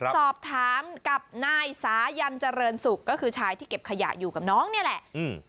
สอบถามกับนายสายันเจริญศุกร์ก็คือชายที่เก็บขยะอยู่กับน้องนี่แหละ